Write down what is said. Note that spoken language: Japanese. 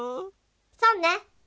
そうね。